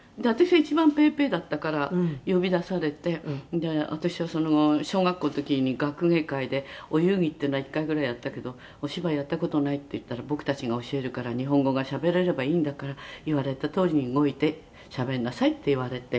「で私は小学校の時に学芸会でお遊戯っていうのは１回ぐらいやったけどお芝居やった事ないって言ったら僕たちが教えるから日本語がしゃべれればいいんだから言われたとおりに動いてしゃべりなさいって言われて」